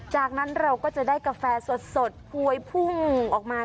จากนั้นเราก็จะได้กาแฟสดกลวยพุ่งออกมา